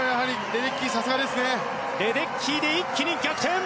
レデッキーで一気に逆転。